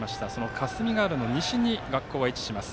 霞ヶ浦の西に学校は位置します。